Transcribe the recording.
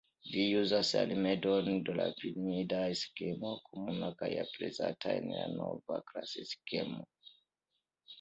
Ĝi uzas la rimedon de la piramida skemo, komuna kaj aprezata en la Novklasikismo.